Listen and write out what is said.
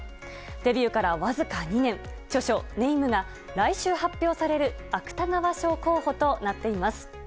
デビューからわずか２年著書「＃＃ＮＡＭＥ＃＃」が来週発表される芥川賞候補となっています。